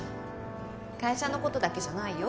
会社のことだけじゃないよ。